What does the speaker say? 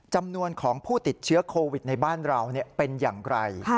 จำนวนของผู้ติดเชื้อโควิดในบ้านเราเป็นอย่างไร